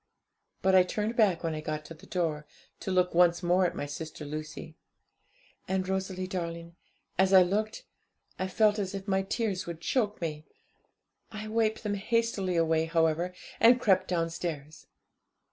But I turned back when I got to the door, to look once more at my sister Lucy. And, Rosalie darling, as I looked, I felt as if my tears would choke me. I wiped them hastily away, however, and crept downstairs.